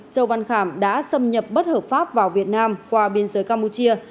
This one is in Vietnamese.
châu văn khảm đã xâm nhập bất hợp pháp vào việt nam qua biên giới campuchia